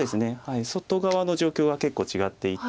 外側の状況は結構違っていて。